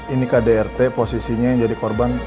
ini kdrt posisinya yang jadi korban